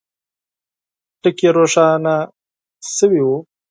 ټکي روښانه سوي وه.